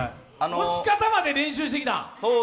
押し方まで練習してきたん？